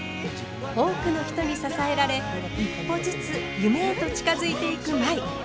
多くの人に支えられ一歩ずつ夢へと近づいていく舞。